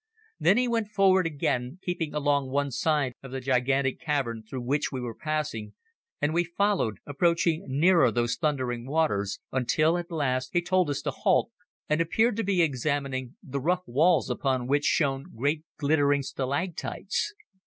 Then he went forward again, keeping along one side of the gigantic cavern through which we were passing, and we followed, approaching nearer those thundering waters, until at last he told us to halt, and appeared to be examining the rough walls upon which shone great glittering stalactites.